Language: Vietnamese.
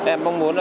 em mong muốn là